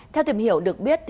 theo tìm hiểu được biết